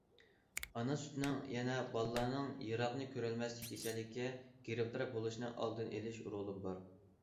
ئانا سۈتىنىڭ يەنە بالىلارنىڭ يىراقنى كۆرەلمەسلىك كېسەللىكىگە گىرىپتار بولۇشنىڭ ئالدىنى ئېلىش رولىمۇ بار.